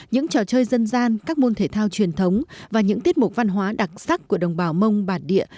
những trò chơi dân gian các môn thể thao truyền thống và những tiết mục văn hóa đặc sắc của đồng bào mông bản địa